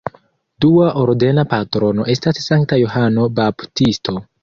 Dua ordena patrono estas Sankta Johano Baptisto.